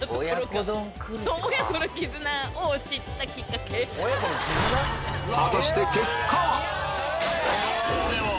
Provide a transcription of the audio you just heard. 果たして結果は⁉１−４！